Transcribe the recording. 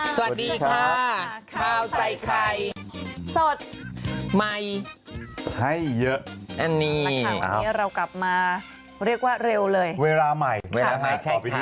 สวัสดีค่ะข้าวใส่ไข่สดใหม่ให้เยอะอันนี้เรากลับมาเรียกว่าเร็วเลยเวลาใหม่เวลาใหม่ใช่ค่ะ